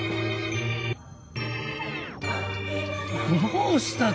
どうした？